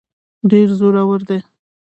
ډېر زورور دی.